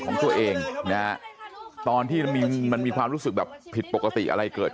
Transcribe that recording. ของตัวเองนะฮะตอนที่มันมีความรู้สึกแบบผิดปกติอะไรเกิดขึ้น